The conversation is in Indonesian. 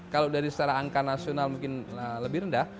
kalau dari secara angka nasional mungkin lebih rendah